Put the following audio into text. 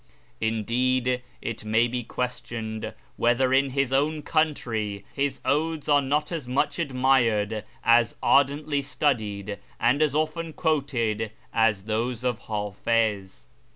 Indeed it may be questioned whether in his own country his odes are not as much admired, as ardently studied, and as often quoted as those of Hi'ifiz.